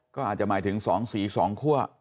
ก็อาจจะหมายถึงสองสีสองคั่ว